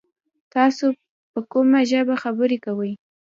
تاسو په کومه ژبه خبري کوی ؟